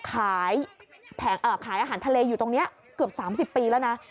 ขายอาหารทะเลอยู่ตรงนี้เกือบ๓๐ปีแล้วนะ